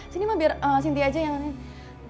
sini ma biar sinti aja yang nangis